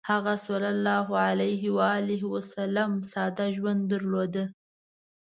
هغه ﷺ ساده ژوند درلود.